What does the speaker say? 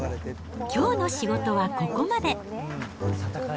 きょうの仕事はここまで。